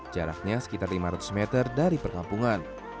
jaraknya sekitar lima ratus meter dari perkampungan